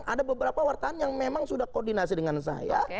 ada beberapa wartawan yang memang sudah koordinasi dengan saya